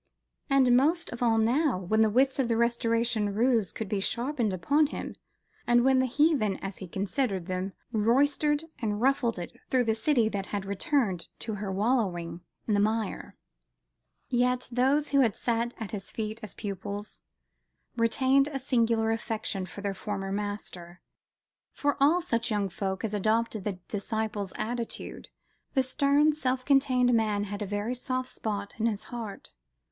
And most of all now, when the wits of the Restoration roués could be sharpened upon him, and when the heathen, as he considered them, roistered and ruffled it through the city that had "returned to her wallowing in the mire." Yet those who had sat at his feet as pupils, retained a singular affection for their former master. For all such young folk as adopted the disciple's attitude, the stern self contained man had a very soft spot in his heart.